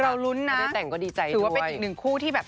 เรารุ้นนะได้แต่งก็ดีใจถือว่าเป็นอีกหนึ่งคู่ที่แบบ